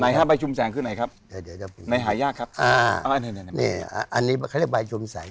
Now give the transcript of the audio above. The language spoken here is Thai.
ไหนฮะใบชุมแสงคือไหนครับเดี๋ยวไหนหายากครับอ่านี่อันนี้เขาเรียกใบชุมแสง